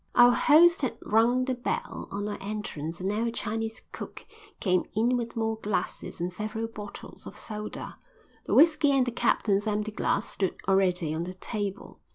Our host had rung the bell on our entrance and now a Chinese cook came in with more glasses and several bottles of soda. The whisky and the captain's empty glass stood already on the table.